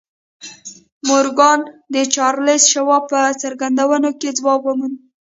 مورګان د چارلیس شواب په څرګندونو کې ځواب وموند